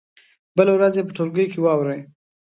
بله ورځ یې په ټولګي کې واوروئ.